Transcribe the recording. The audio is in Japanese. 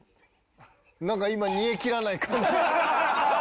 なんか今煮え切らない感じ。